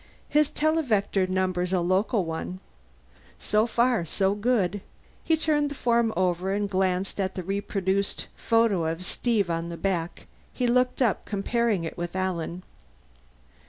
"His televector number's a local one. So far, so good." He turned the form over and glanced at the reproduced photo of Steve on the back. He looked up, comparing it with Alan.